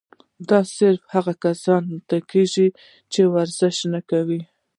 دا صرف هغه کسانو ته کيږي چې ورزش نۀ کوي